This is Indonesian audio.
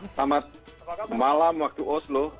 selamat malam waktu oslo